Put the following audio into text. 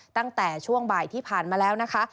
ตั้งแต่ช่วงบ่ายที่ผ่านมาแล้วนะคะ